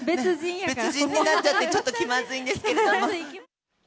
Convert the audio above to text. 別人になっちゃって、ちょっと気まずいんですけれども。